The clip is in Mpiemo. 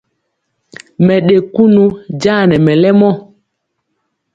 Mɛ ɗe kunu jaa nɛ mɛlɛmɔ.